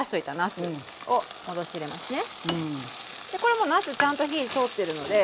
でこれもうなすちゃんと火通ってるので。